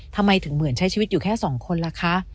ทำไมถึงเหมือนใช้ชีวิตอยู่แค่สองคนล่ะคะ